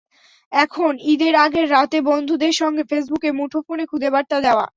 এখন ঈদের আগের রাতে চলে বন্ধুদের সঙ্গে ফেসবুকে, মুঠোফোনে খুদে বার্তা দেওয়া।